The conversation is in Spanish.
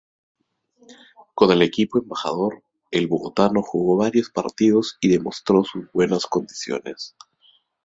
Con el equipo "Embajador", el bogotano jugó varios partidos y demostró sus buenas condiciones.